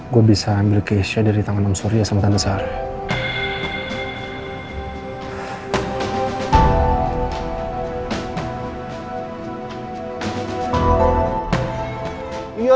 gue bisa ambil keisha dari tangan om surya sementara seharusnya